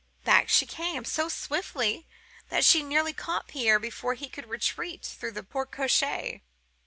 Back she came, so swiftly that she nearly caught Pierre before he could retreat through the porte cochere.